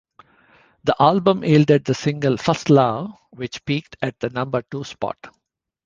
The album yielded the single "First Love", which peaked at the number-two spot.